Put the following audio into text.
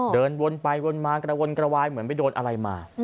เดินวนไปวนมากระวนกระวายเหมือนไปโดนอะไรมา